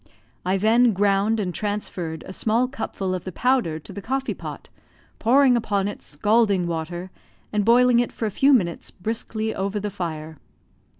I then ground and transferred a small cupful of the powder to the coffee pot, pouring upon it scalding water, and boiling it for a few minutes briskly over the fire.